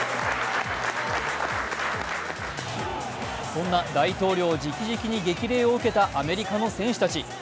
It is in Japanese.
そんな大統領じきじきに激励を受けたアメリカの選手たち。